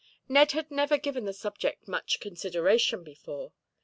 Ned had never given the subject much consideration before.